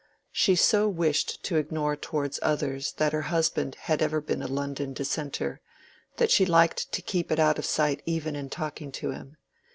She so much wished to ignore towards others that her husband had ever been a London Dissenter, that she liked to keep it out of sight even in talking to him.